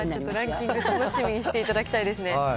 ランキング楽しみにしていただきたいですね。